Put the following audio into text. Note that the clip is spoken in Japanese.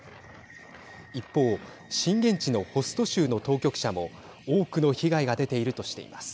一方震源地のホスト州の当局者も多くの被害が出ているとしています。